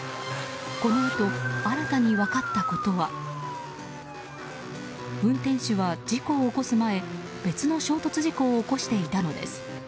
このあと新たに分かったことは運転手は事故を起こす前別の衝突事故を起こしていたのです。